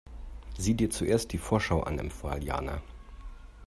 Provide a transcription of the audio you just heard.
Sieh dir zuerst die Vorschau an, empfahl Jana.